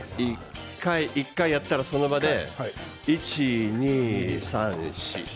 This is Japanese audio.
１回やったら、その場で１、２、３、４。